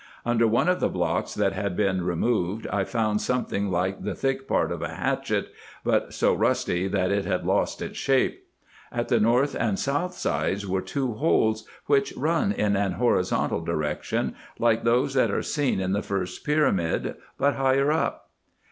Under one of the blocks that had been removed, I found something like the thick part of a hatchet, but so rusty, that it had lost its shape. At the north and south sides are two holes, which run in an horizontal direction, like those that are seen in the first pyramid, but higher up.